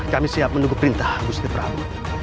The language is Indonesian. kami siap menunggu perintah gusti prabowo